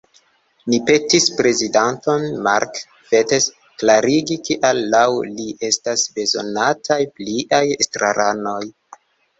Ni petis prezidanton Mark Fettes klarigi, kial laŭ li estas bezonataj pliaj estraranoj.